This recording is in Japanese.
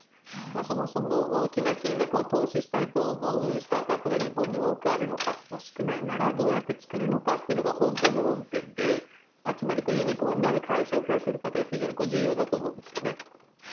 そもそも大きな金額を投資したいと思うスタートアップが日本に多くあるのか少ないならどうやって作るのかというのが本当の論点でつまりユニコーンになる会社を増やせるかが非常に重要だと思うんですよね。